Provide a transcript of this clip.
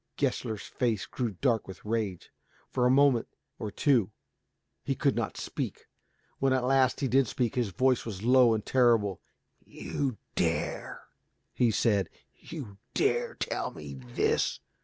Gessler's face grew dark with rage. For a moment or two he could not speak. When at last he did speak, his voice was low and terrible, "You dare," he said, "you dare to tell me this!